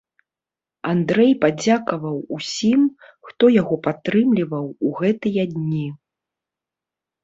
Андрэй падзякаваў усім, хто яго падтрымліваў у гэтыя дні.